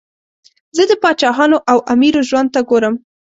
زه د پاچاهانو او امیرو ژوند ته ګورم.